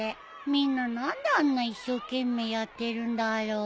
みんな何であんな一生懸命やってるんだろう。